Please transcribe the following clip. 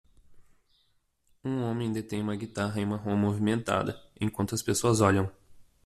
Um homem detém uma guitarra em uma rua movimentada, enquanto as pessoas olham.